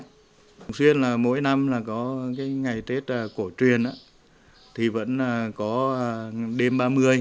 thường xuyên là mỗi năm là có cái ngày tết cổ truyền thì vẫn có đêm ba mươi